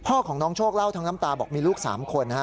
พ่อของน้องโชคเล่าทั้งน้ำตาบอกมีลูก๓คนนะฮะ